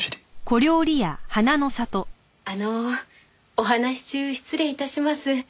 あのお話し中失礼致します。